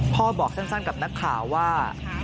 บอกสั้นกับนักข่าวว่า